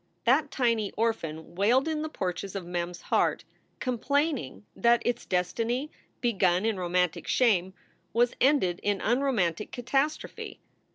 That tiny orphan wailed in the porches of Mem s heart, complaining that its destiny, begun in romantic shame, was ended in unromantic catastrophe.